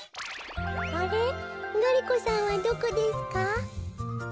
あれっがり子さんはどこですか？